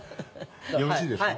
よろしいですか？